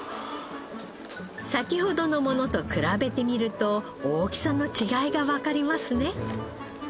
先ほどのものと比べてみると大きさの違いがわかりますね。